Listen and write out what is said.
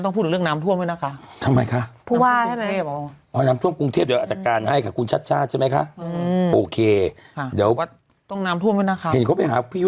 นะต้องพูดออกเรื่องน้ำท่วมว่านะคะจะไปหาพี่ฮ์ใช่ไหม